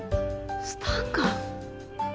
スタンガン？